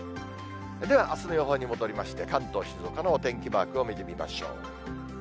ではあすの予報に戻りまして、関東、静岡のお天気マークを見てみましょう。